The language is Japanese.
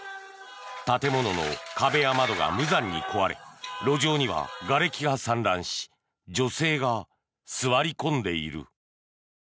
建物の壁や窓が無残に壊れ路上には、がれきが散乱し女性が座り込んでいる。